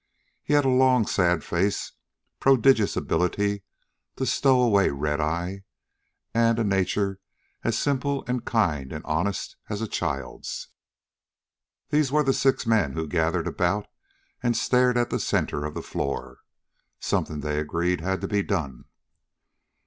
He had a long, sad face, prodigious ability to stow away redeye, and a nature as simple and kind and honest as a child's. These were the six men who gathered about and stared at the center of the floor. Something, they agreed, had to be done.